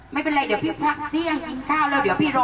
ไม่เป็นไรเดี๋ยวพี่พักเที่ยงกินข้าวแล้วเดี๋ยวพี่รอ